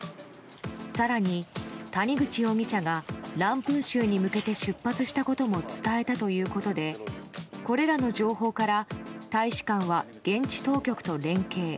更に、谷口容疑者がランプン州に向けて出発したことも伝えたということでこれらの情報から大使館は現地当局と連携。